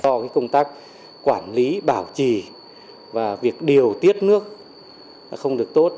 do công tác quản lý bảo trì và việc điều tiết nước không được tốt